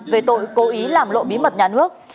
về tội cố ý làm lộ bí mật nhà nước